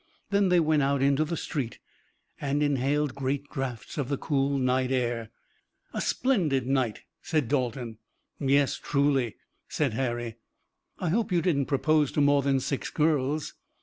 Then they went out into the street, and inhaled great draughts of the cool night air. "A splendid night," said Dalton. "Yes, truly," said Harry. "I hope you didn't propose to more than six girls."